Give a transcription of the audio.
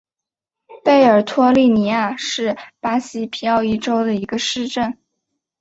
贝尔托利尼亚是巴西皮奥伊州的一个市镇。